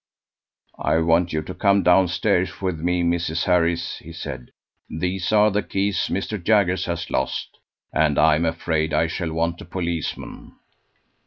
"I want you to come downstairs with me, Mrs. Harris," he said: "these are the keys Mr. Jaggers has lost, and I'm afraid I shall want a policeman."